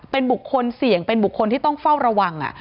เป็นบุคคลเสี่ยงเป็นบุคคลที่ต้องเฝ้าระวัง